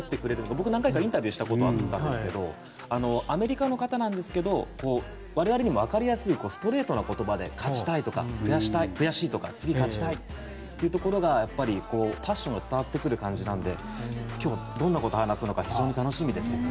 僕、何回かインタビューしたこととあったんですがアメリカの方なんですが我々にもわかりやすいストレートな言葉で勝ちたいとか悔しいとか次勝ちたいというところがやっぱりパッションが伝わってくる感じなので今日どんなことを話すのか非常に楽しみですね。